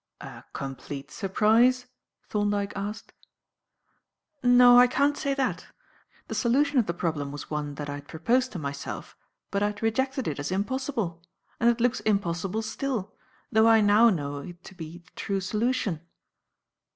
"A complete surprise?" Thorndyke asked. "No, I can't say that. The solution of the problem was one that I had proposed to myself, but I had rejected it as impossible; and it looks impossible still, though I now know it to be the true solution."